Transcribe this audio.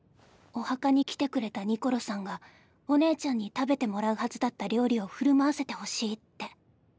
お墓に来てくれたニコロさんがお姉ちゃんに食べてもらうはずだった料理を振る舞わせてほしいって。